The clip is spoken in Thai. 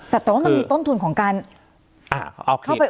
แต่ว่ามันมีต้นทุนของการเอาเข้าไป